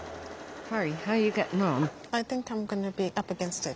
はい。